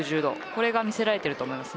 これが見せられていると思います。